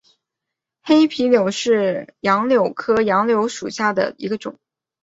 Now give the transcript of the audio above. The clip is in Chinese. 黑皮柳为杨柳科柳属下的一个种。